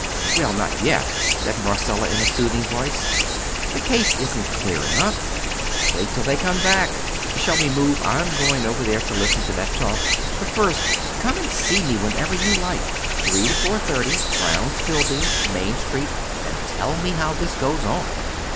"Well, not yet," said Marcella, in a soothing voice; "the case isn't clear enough. Wait till they come back. Shall we move? I'm going over there to listen to that talk. But first come and see me whenever you like 3 to 4.30, Brown's Buildings, Maine Street and tell me how this goes on?"